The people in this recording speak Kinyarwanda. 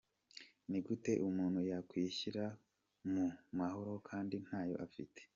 Ni gute umuntu yakwishyira mu mahoro kandi ntayo afite?.